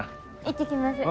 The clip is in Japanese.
行ってきます。